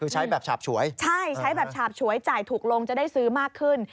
ใช้แบบฉาบฉวยใช่ใช้แบบฉาบฉวยจ่ายถูกลงจะได้ซื้อมากขึ้น